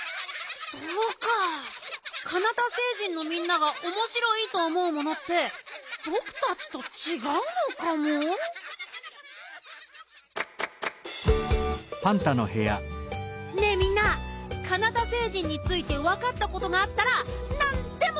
そうかカナタ星人のみんながおもしろいとおもうものってぼくたちとちがうのかも。ねえみんなカナタ星人についてわかったことがあったらなんでもおしえて。